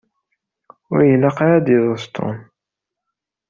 Ur ilaq ara ad d-iḍes Tom.